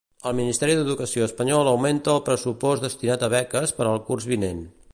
El ministeri d'Educació espanyol augmenta el pressupost destinat a beques per al curs vinent.